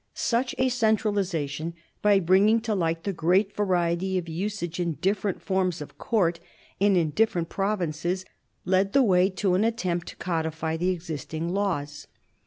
Such a centralisation, by bringing to light the great variety of usage in different forms of court and in different provinces, led the way to an attempt to codify the existing laws.